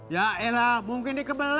yaelah mungkin dia kebal